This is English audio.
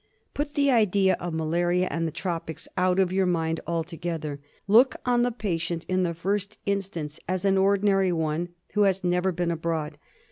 Put the idea of malaria and the tropics out of your mind altogether. Look on the patient in the first instance as an ordinary one who has never been abroad.